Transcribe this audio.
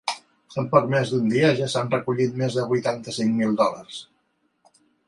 En poc més d’un dia ja s’han recollit més de vuitanta-cinc mil dòlars.